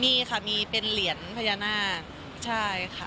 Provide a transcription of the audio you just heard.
มีค่ะมีเป็นเหรียญพญานาคใช่ค่ะ